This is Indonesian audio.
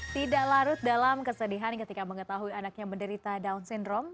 tidak larut dalam kesedihan ketika mengetahui anaknya menderita down syndrome